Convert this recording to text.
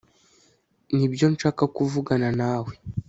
nibyo nshaka kuvugana nawe